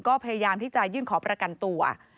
ก็พยายามที่จะยื่นขอประกันตัว